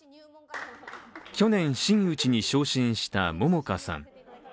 去年、真打ちに昇進した桃花さん。